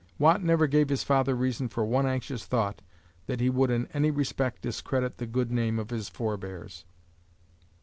Watt never gave his father reason for one anxious thought that he would in any respect discredit the good name of his forbears.